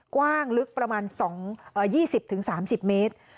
กว้างลึกประมาณ๒๐๓๐เมตร